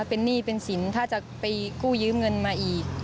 เป็นหนี้เป็นสินถ้าจะไปกู้ยืมเงินมาอีก